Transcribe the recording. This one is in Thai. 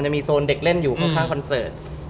จะมีโซนเด็กเล่นอยู่ข้างคอนเสิร์ต